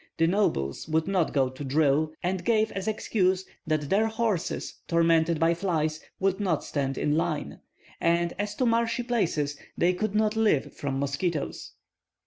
The nobles would not go to drill, and gave as excuse that their horses tormented by flies would not stand in line, and as to marshy places they could not live from mosquitoes.